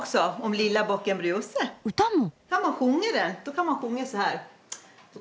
歌も。